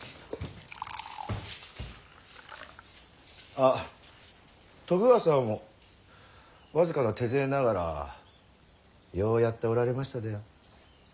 あっ徳川様も僅かな手勢ながらようやっておられましたでよ。